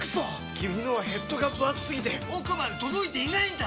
君のはヘッドがぶ厚すぎて奥まで届いていないんだっ！